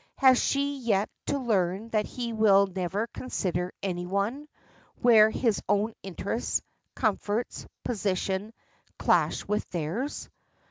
Has she yet to learn that he will never consider any one, where his own interests, comforts, position, clash with theirs?